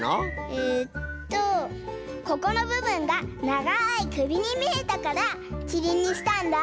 えっとここのぶぶんがながいくびにみえたからきりんにしたんだ。